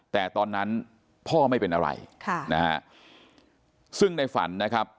แต่ตอนนั้นพ่อไม่เป็นอะไรค่ะนะฮะซึ่งในฝันนะครับ